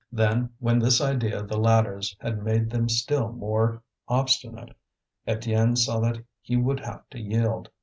Then, when this idea of the ladders had made them still more obstinate, Étienne saw that he would have to yield.